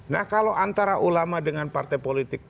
nah kalau antara ulama dengan partai politik